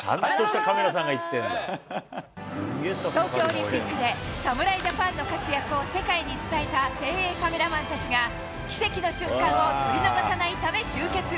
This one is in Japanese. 東京オリンピックで侍ジャパンの活躍を世界に伝えた精鋭カメラマンたちが、奇跡の瞬間を撮り逃さないため集結。